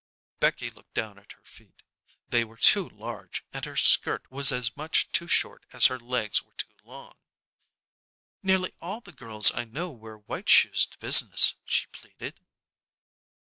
Becky looked down at her feet. They were too large, and her skirt was as much too short as her legs were too long. "Nearly all the girls I know wear white shoes to business," she pleaded.